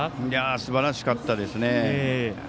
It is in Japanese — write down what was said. すばらしかったですね。